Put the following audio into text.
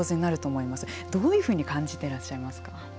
どういうふうに感じていらっしゃいますか。